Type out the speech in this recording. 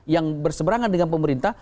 yang berseberangan dengan pemerintah